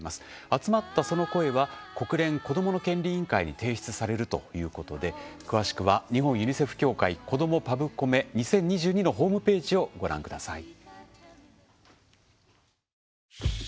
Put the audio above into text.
集まった、その声は国連子どもの権利委員会に提出されるということで詳しくは日本ユニセフ協会「子どもパブコメ２０２２」のホームページをご覧ください。